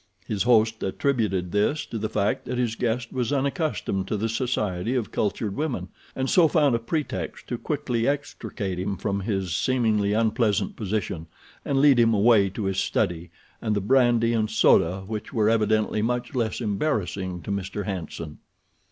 His host attributed this to the fact that his guest was unaccustomed to the society of cultured women, and so found a pretext to quickly extricate him from his seemingly unpleasant position and lead him away to his study and the brandy and soda which were evidently much less embarrassing to Mr. Hanson.